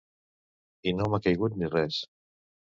I no m'ha caigut ni res.